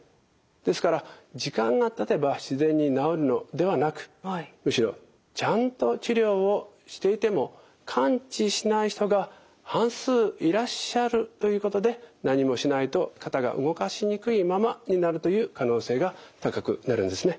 ですから時間がたてば自然に治るのではなくむしろちゃんと治療をしていても完治しない人が半数いらっしゃるということで何もしないと肩が動かしにくいままになるという可能性が高くなるんですね。